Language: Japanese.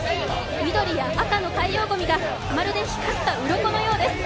緑や赤の海洋ごみが、まるで光ったうろこのようです。